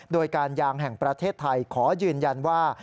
โดยการยางแห่งประเทศไทยขอยืนยันว่า